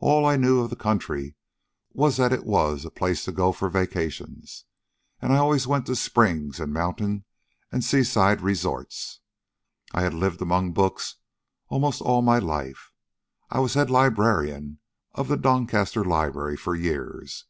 All I knew of the country was that it was a place to go to for vacations, and I always went to springs and mountain and seaside resorts. I had lived among books almost all my life. I was head librarian of the Doncaster Library for years.